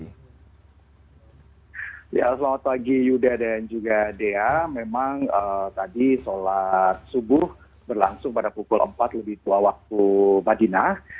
ya selamat pagi yuda dan juga dea memang tadi sholat subuh berlangsung pada pukul empat lebih dua waktu madinah